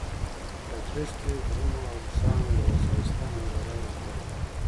د دښتې، غرونو او اوښانو یوه ښایسته منظره یې جوړه کړه.